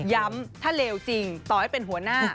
ย้ำถ้าเลวจริงต่อให้เป็นหัวหน้า